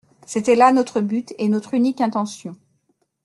C'était là notre but et notre unique intention.